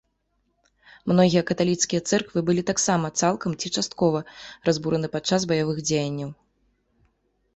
Многія каталіцкія цэрквы былі таксама цалкам ці часткова разбураны падчас баявых дзеянняў.